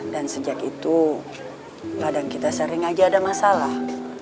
dan sejak itu padang kita sering aja ada masalah